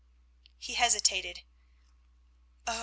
He hesitated. Oh!